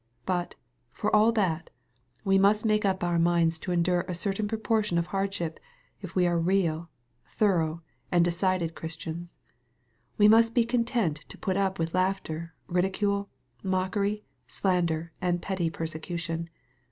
But, for all that, we must make up our minds to endure a certain proportion of hardship, if we are real, thorough, and decided Chris tians. We must be content to put up with laughter, rid icule, mockery, slander, and petty persecution.